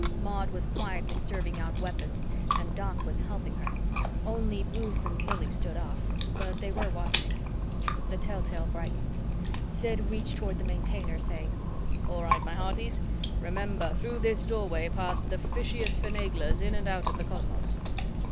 Maud was quietly serving out weapons and Doc was helping her. Only Bruce and Lili stood off. But they were watching. The telltale brightened. Sid reached toward the Maintainer, saying, "All right, my hearties. Remember, through this Doorway pass the fishiest finaglers in and out of the cosmos."